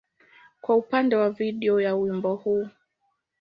kwa upande wa video ya wimbo huu.